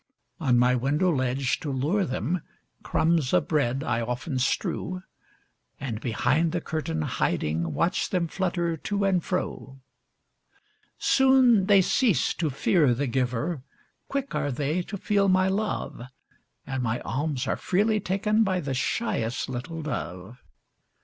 On my window ledge, to lure them, Crumbs of bread I often strew, And, behind the curtain hiding, Watch them flutter to and fro. Soon they cease to fear the giver, Quick are they to feel my love, And my alms are freely taken By the shyest little dove.